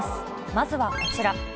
まずはこちら。